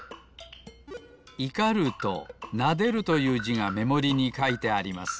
「怒る」と「撫でる」というじがめもりにかいてあります。